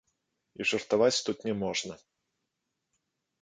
І жартаваць тут не можна.